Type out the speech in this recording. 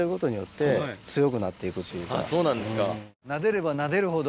あっそうなんですか。